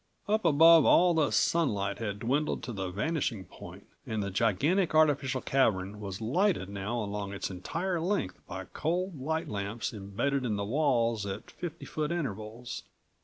Up above all of the sunlight had dwindled to the vanishing point and the gigantic artificial cavern was lighted now along its entire length by cold light lamps embedded in the walls at fifty foot intervals.